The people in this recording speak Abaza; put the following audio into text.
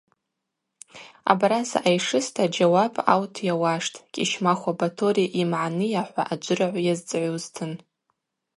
Абараса айшыста джьауап аут йауаштӏ Кӏьыщмахва Баторий ймагӏныйа? – хӏва аджвырагӏв азцӏгӏузтын.